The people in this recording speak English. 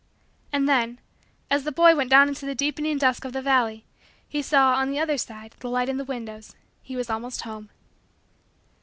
And then, as the boy went down into the deepening dusk of the valley, he saw, on the other side, the light in the windows. He was almost home.